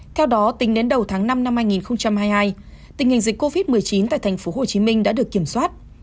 theo đó tính đến đầu tháng năm năm hai nghìn hai mươi hai tình hình dịch covid một mươi chín tại thành phố hồ chí minh đã được kiểm soát